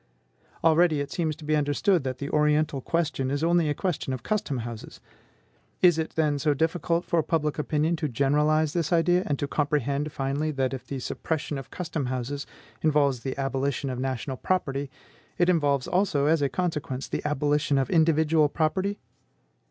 Already it seems to be understood that the Oriental question is only a question of custom houses. Is it, then, so difficult for public opinion to generalize this idea, and to comprehend, finally, that if the suppression of custom houses involves the abolition of national property, it involves also, as a consequence, the abolition of individual property?